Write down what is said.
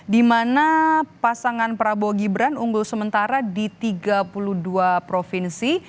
di mana pasangan prabowo gibran unggul sementara di tiga puluh dua provinsi